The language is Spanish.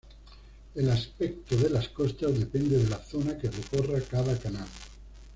El aspecto de las costas depende de la zona que recorra cada canal.